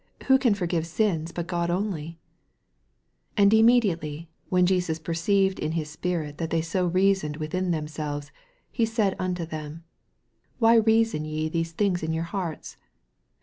who can f:r<rivf Bina but God only 3 8 And immediately when Jesus perceived in his spirit that they so reasoned within themselves, he said unto them, Why reason ye these, things in your hearts